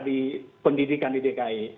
di pendidikan di dki